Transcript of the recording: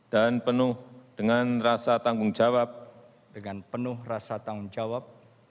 dan penuh dengan rasa tanggung jawab